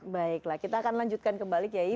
baiklah kita akan lanjutkan kembali kiai